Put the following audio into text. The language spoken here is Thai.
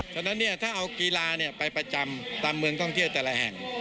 ฉะนั้นถ้าเอากีฬาไปประจำตามเมืองท่องเที่ยวแต่ละแห่ง